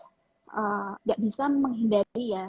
tidak bisa menghindari ya